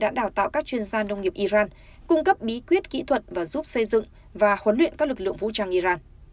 đã đào tạo các chuyên gia nông nghiệp iran cung cấp bí quyết kỹ thuật và giúp xây dựng và huấn luyện các lực lượng vũ trang iran